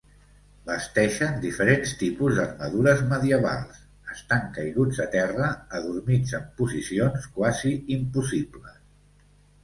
Vesteixen diferents tipus d'armadures medievals; estan caiguts a terra, adormits en posicions quasi impossibles.